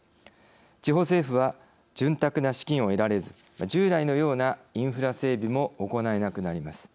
地方政府は潤沢な資金を得られず従来のようなインフラ整備も行えなくなります。